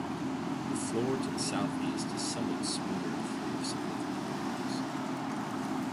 The floor to the southeast is somewhat smoother and free of significant impacts.